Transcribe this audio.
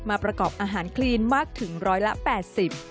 มาประกอบอาหารคลีนมากถึง๑๘๐บาท